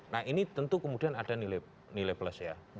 nah ini tentu kemudian ada nilai plus ya